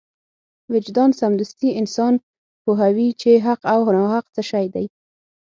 وجدان سمدستي انسان پوهوي چې حق او ناحق څه شی دی.